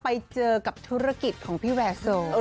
ไปเจอกับธุรกิจของพี่แวร์โซ